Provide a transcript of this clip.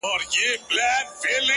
سیاه پوسي ده. ورته ولاړ یم.